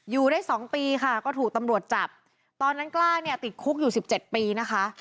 อยู่ได้สองปีค่ะก็ถูกตำรวจจับตอนนั้นกล้าเนี่ยติดคุกอยู่สิบเจ็ดปีนะคะ